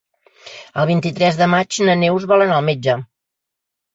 El vint-i-tres de maig na Neus vol anar al metge.